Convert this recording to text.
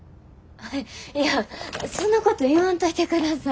いやそんなこと言わんといてください。